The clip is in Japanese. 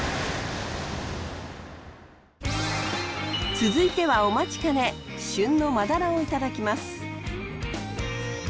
続いてはお待ちかね旬のマダラを頂きます。